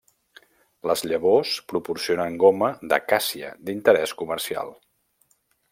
Les llavors proporcionen goma de càssia d'interès comercial.